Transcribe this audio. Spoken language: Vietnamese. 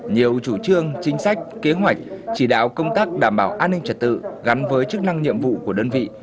nhiều chủ trương chính sách kế hoạch chỉ đạo công tác đảm bảo an ninh trật tự gắn với chức năng nhiệm vụ của đơn vị